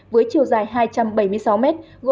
với chiều dài hai trăm bảy mươi sáu mét